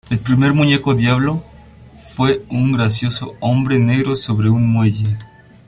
El primer muñeco "diablo" fue un gracioso hombre negro sobre un muelle.